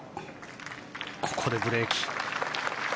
ここでブレーキ。